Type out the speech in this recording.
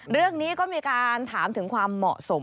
เรื่องนี้ก็มีการถามถึงความเหมาะสม